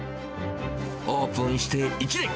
オープンして１年。